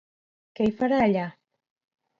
Què hi farà allà?